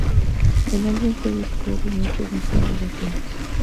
El álbum fue disco oro en muchos mercados latinos.